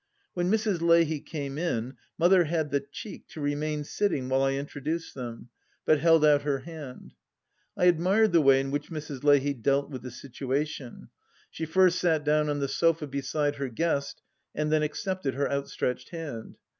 When Mrs. Leahy came in Mother had the cheek to remain sitting while I introduced them, but held out her hand — I admired the way in which Mrs. Leahy dealt with the situation. She first sat down on the sofa beside her guest and then accepted her outstretched hand.